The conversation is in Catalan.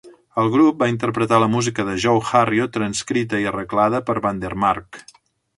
El grup va interpretar la música de Joe Harriott, transcrita i arreglada per Vandermark.